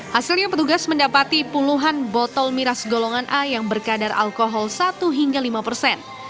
hasilnya petugas mendapati puluhan botol miras golongan a yang berkadar alkohol satu hingga lima persen